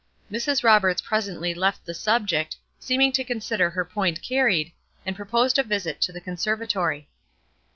Mrs. Roberts presently left the subject, seeming to consider her point carried, and proposed a visit to the conservatory.